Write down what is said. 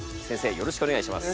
よろしくお願いします。